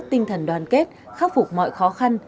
tinh thần đoàn kết khắc phục mọi khó khăn